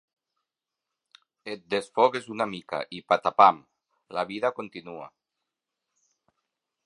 Et desfogues una mica i patapam, la vida continua.